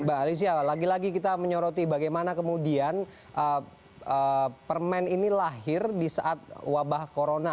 mbak alicia lagi lagi kita menyoroti bagaimana kemudian permen ini lahir di saat wabah corona